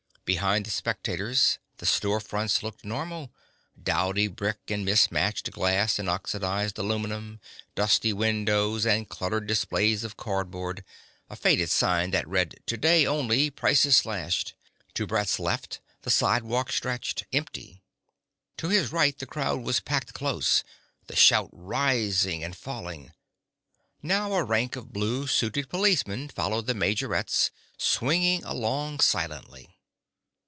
Behind the spectators, the store fronts looked normal, dowdy brick and mismatched glass and oxidizing aluminum, dusty windows and cluttered displays of cardboard, a faded sign that read TODAY ONLY PRICES SLASHED. To Brett's left the sidewalk stretched, empty. To his right the crowd was packed close, the shout rising and falling. Now a rank of blue suited policemen followed the majorettes, swinging along silently.